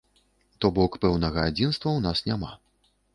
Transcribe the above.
То бок пэўнага адзінства ў нас няма.